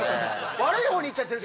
悪い方にいっちゃってると。